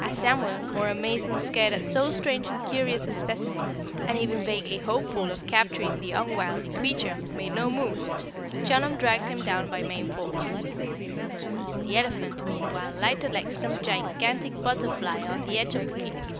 As Samuel, more amazed than scared at so strange and curious a specimen, and even vaguely hopeful of capturing the unwieldy creature, made no move, Chunum dragged him down by main force. The elephant meanwhile lighted like some gigantic butterfly on the edge of the cliff.